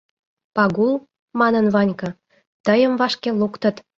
— Пагул, — манын Ванька, — тыйым вашке луктыт.